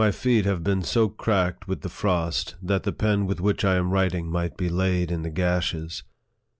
My feet have been so cracked with the frost, that the pen with which I am writing might be laid in the gashes.